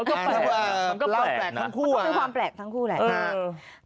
มันก็แปลกนะมันก็คือความแปลกทั้งคู่แหละเออ